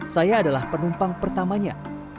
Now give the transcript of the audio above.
saya adalah penumpang pertamanya